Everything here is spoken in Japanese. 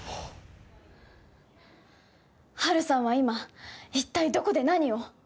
ハルさんは今一体どこで何を？